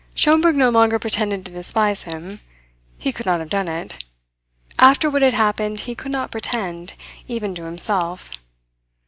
Schomberg no longer pretended to despise him. He could not have done it. After what had happened he could not pretend, even to himself.